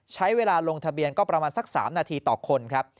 ใช้เวลาลงทะเบียนก็ประมาณสัก๓นาทีต่อคนครับ